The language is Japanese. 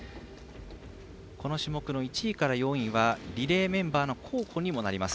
この種目の１位から４位はリレーメンバーの候補にもなります。